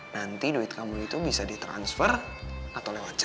nanti duit kamu itu bisa di transfer atau lewat cek